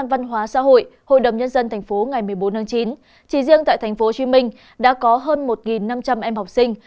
và xã hội hội đồng nhân dân tp ngày một mươi bốn chín chỉ riêng tại tp hcm đã có hơn một năm trăm linh em học sinh